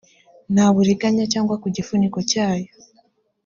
nta buriganya cyangwa ku gifuniko cy ayo